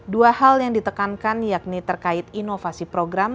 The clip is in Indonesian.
dua hal yang ditekankan yakni terkait inovasi program